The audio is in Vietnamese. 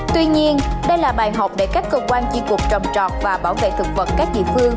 tuy nhiên đây là bài học để các cơ quan chi cục trồng trọt và bảo vệ thực vật các địa phương